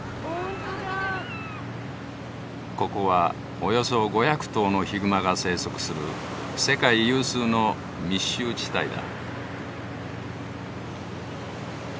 ここはおよそ５００頭のヒグマが生息する世界有数の密集地帯だ。